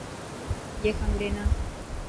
اي کان وڙي نا.